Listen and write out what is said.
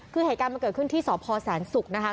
คือเหตุการณ์มันเกิดขึ้นที่สพแสนศุกร์นะคะ